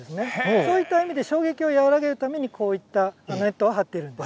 そういった意味で衝撃を和らげるために、こういったネットを張っているんです。